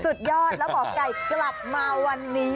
สุดยอดแล้วหมอไก่กลับมาวันนี้